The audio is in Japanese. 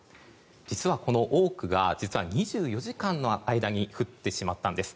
実はこの多くが２４時間の間に降ってしまったんです。